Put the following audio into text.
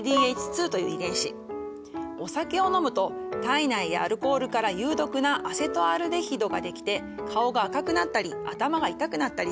お酒を飲むと体内でアルコールから有毒なアセトアルデヒドができて顔が赤くなったり頭が痛くなったりします。